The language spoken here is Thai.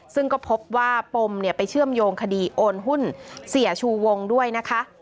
ซึ่งก็พบว่าปมไปเชื่อมโยงคดีโอนหุ้นเสียชูวงด้วยนะคะ